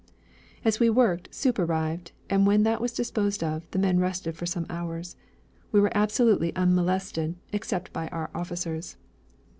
As we worked, soup arrived, and when that was disposed of, the men rested for some hours. We were absolutely unmolested except by our officers.